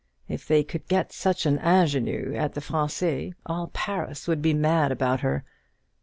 If they could get such an Ingénue at the Français, all Paris would be mad about her.